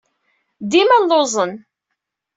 Dima lluẓen.